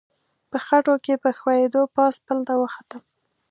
په خټو کې په ښویېدو پاس پل ته وختم.